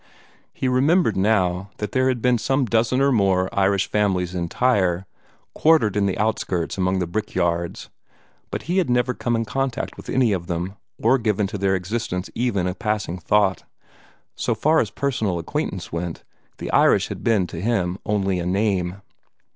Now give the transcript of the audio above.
He remembered now that there had been some dozen or more Irish families in Tyre, quartered in the outskirts among the brickyards, but he had never come in contact with any of them, or given to their existence even a passing thought. So far as personal acquaintance went, the Irish had been to him only a name.